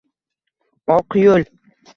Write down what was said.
Oq yoʼl…